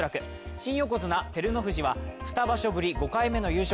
新横綱・照ノ富士は２場所ぶり５回目の優勝。